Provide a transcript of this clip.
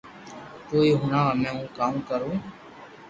تو ھي ھوڻاو ھمي ھون ڪاوُ ڪرو